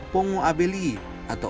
pongo abeli atau orang utama kalimantan